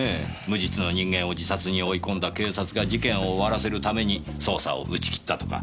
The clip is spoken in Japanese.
無実の人間を自殺に追い込んだ警察が事件を終わらせるために捜査を打ち切ったとか。